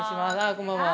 こんばんは。